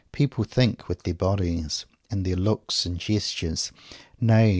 People think with their bodies, and their looks and gestures; nay!